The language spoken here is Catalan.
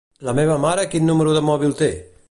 La meva mare quin número de mòbil té?